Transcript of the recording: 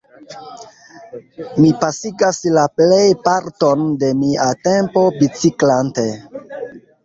Mi pasigas la plejparton de mia tempo biciklante.